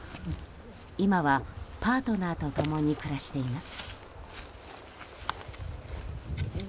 今は、パートナーと共に暮らしています。